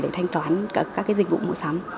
để thanh toán các cái dịch vụ mua sắm